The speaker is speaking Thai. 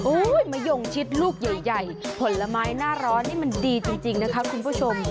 มะยงชิดลูกใหญ่ผลไม้หน้าร้อนนี่มันดีจริงนะคะคุณผู้ชม